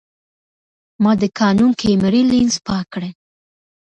ما د کانون کیمرې لینز پاک کړ.